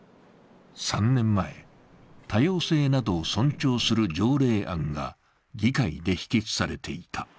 ３年前、多様性などを尊重する条例案が議会で否決されていた。